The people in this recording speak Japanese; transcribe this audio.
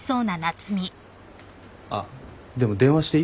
あっでも電話していい？